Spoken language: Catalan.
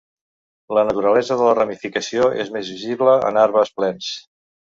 La naturalesa de la ramificació és més visible en arbres plens.